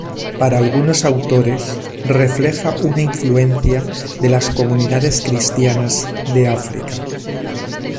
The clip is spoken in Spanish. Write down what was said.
Para algunos autores refleja una influencia de las comunidades cristianas de África.